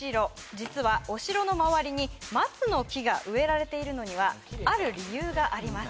実はお城の周りに松の木が植えられているのにはある理由があります